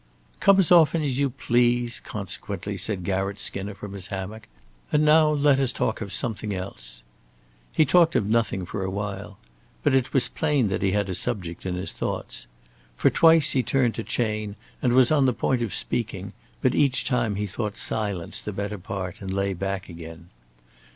"Come as often as you please!" consequently said Garratt Skinner from his hammock. "And now let us talk of something else." He talked of nothing for a while. But it was plain that he had a subject in his thoughts. For twice he turned to Chayne and was on the point of speaking; but each time he thought silence the better part and lay back again.